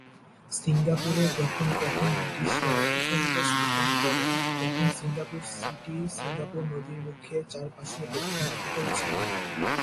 সিঙ্গাপুরে যখন প্রথম ব্রিটিশরা উপনিবেশ স্থাপন করে, তখন সিঙ্গাপুর সিটি সিঙ্গাপুর নদীর মুখের চারপাশে দক্ষিণ উপকূলে ছিল।